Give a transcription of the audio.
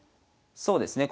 そうですね